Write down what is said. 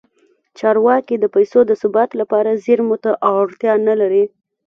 چارواکي د پیسو د ثبات لپاره زیرمو ته اړتیا نه لري.